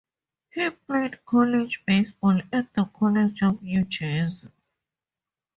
He played college baseball at The College of New Jersey.